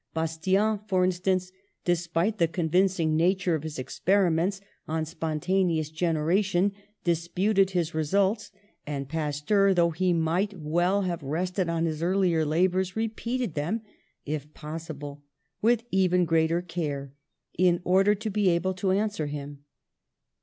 Bas tian, for instance, despite the convincing na ture of his experiments on spontaneous genera tion, disputed his results, and Pasteur, though he might well have rested on his earlier la bours, repeated them, if possible with even greater care, in order to be able to answer him.